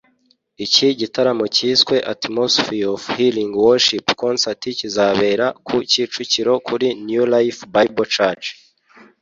Iki gitaramo cyiswe 'Atmosphere of Healing Worship Concert' kizabera ku Kicukiro kuri New Life Bible church